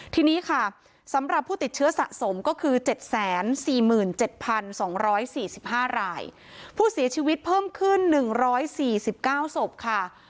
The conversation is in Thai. ทีนี้ค่ะสำหรับผู้ติดเชื้อสะสมก็คือ๗๔๗๒๔๕รายผู้เสียชีวิตเพิ่มขึ้น๑๔๙ศพค่ะ